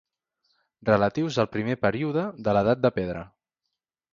Relatius al primer període de l'edat de pedra.